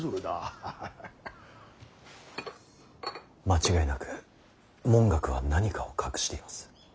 間違いなく文覚は何かを隠しています。